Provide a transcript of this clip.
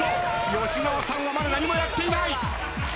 吉沢さんはまだ何もやっていない。